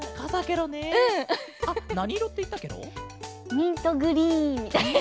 ミントグリーンみたいな。